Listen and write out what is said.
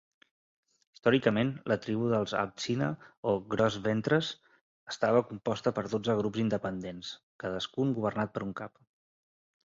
Històricament la tribu dels atsina o Gros Ventres estava composta per dotze grups independents, cadascun governat per un cap.